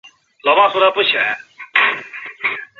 本乡最重要的景点是圣奥斯瓦尔德教堂。